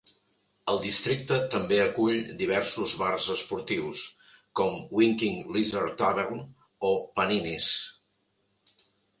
El districte també acull diversos bars esportius, com Winking Lizard Tavern o Panini's.